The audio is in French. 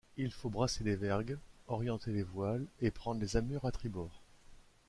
Il faut brasser les vergues, orienter les voiles et prendre les amures à tribord.